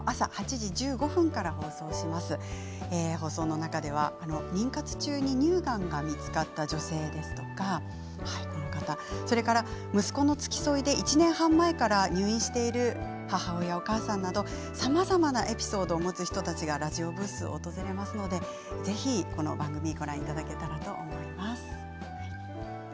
放送の中では妊活中に乳がんが見つかった女性ですとか息子の付き添いで１年半前から入院している母親お母さんなど、さまざまなエピソードを持つ人たちがラジオブースを訪れますのでぜひ、この番組ご覧いただけたらと思います。